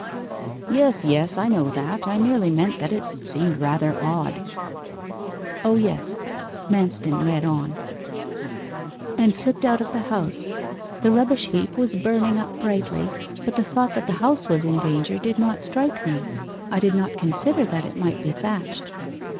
'Yes, yes, I know that. I merely meant that it seemed rather odd.' 'O yes.' Manston read on: '" and slipped out of the house. The rubbish heap was burning up brightly, but the thought that the house was in danger did not strike me; I did not consider that it might be thatched.